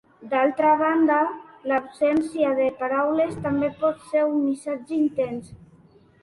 D'altra banda, l'absència de paraules també pot ser un missatge intens.